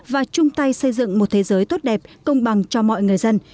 và chung tay xây dựng một thế giới tốt đẹp công bằng cho mọi người dân